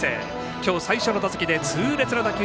今日最初の打席で痛烈な打球。